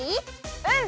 うん！